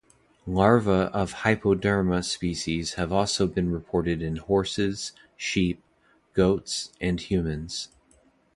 Larvae of "Hypoderma" species also have been reported in horses, sheep, goats, and humans.